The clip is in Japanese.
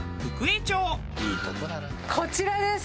こちらです。